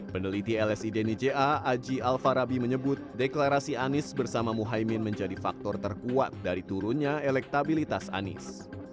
peneliti lsi deni ja aji alfarabi menyebut deklarasi anies bersama muhaymin menjadi faktor terkuat dari turunnya elektabilitas anies